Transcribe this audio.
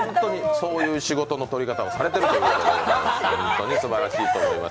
そういう仕事の取り方をされてるということで、すばらしいと思います。